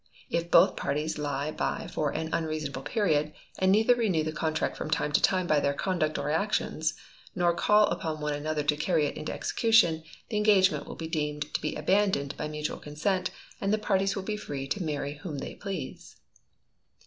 If both parties lie by for an unreasonable period, and neither renew the contract from time to time by their conduct or actions, nor call upon one another to carry it into execution, the engagement will be deemed to be abandoned by mutual consent, and the parties will be free to marry whom they please."